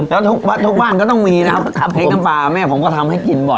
แล้วทุกบ้านก็ต้องมีนะครับพริกน้ำปลาแม่ผมก็ทำให้กินบ่อย